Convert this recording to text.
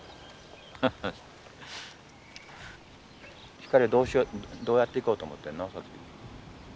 光はどうしようどうやっていこうと思ってんの？